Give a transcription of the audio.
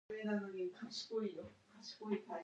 This can be seen above on the example of osmium diboride.